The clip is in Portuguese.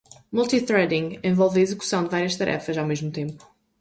Multithreading envolve a execução de várias tarefas ao mesmo tempo.